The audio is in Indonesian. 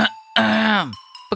dan putri ember mereka dalam kesehatan